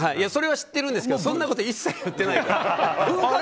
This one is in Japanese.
それは知ってるんですけどそんなこと一切言ってないから。